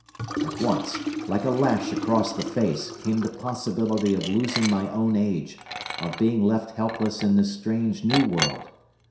"At once, like a lash across the face, came the possibility of losing my own age, of being left helpless in this strange new world.